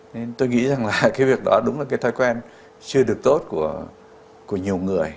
nên tôi nghĩ rằng là cái việc đó đúng là cái thói quen chưa được tốt của nhiều người